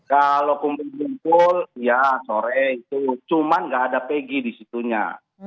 kalau kumpul kumpul ya sore itu cuma nggak ada pegi di situnya